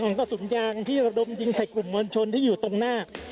เสียงอองกฎสุมยางที่ระดมยิงใส่กลุ่มมลชนที่อยู่ตรงหน้า